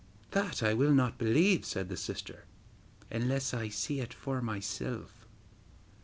'That I will not believe,' said the sister, 'unless I see it for myself.